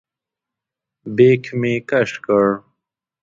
بیک مې کش کړ.